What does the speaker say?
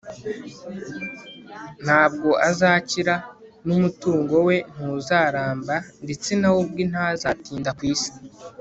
nta bwo azakira, n'umutungo we ntuzaramba, ndetse na we ubwe ntazatinda ku isi